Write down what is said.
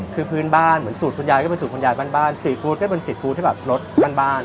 คือพื้นบ้านเหมือนสูตรคนยายก็เป็นสูตรคนยายบ้านบ้านสตรีฟู้ดก็เป็นสตรีฟู้ดที่แบบรสบ้านบ้าน